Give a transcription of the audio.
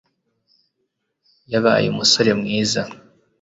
yabaye umusore mwiza